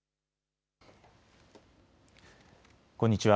こんにちは。